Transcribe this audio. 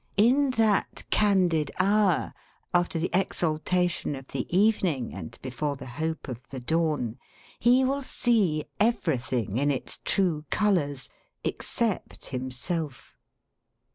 In that candid hour, after the exaltation of the evening and before the hope of the dawn, he will see everything in its true colours except himself.